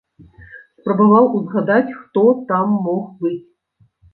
Спрабаваў узгадаць, хто там мог быць.